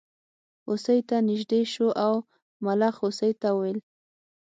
هوسۍ ته نژدې شو او ملخ هوسۍ ته وویل.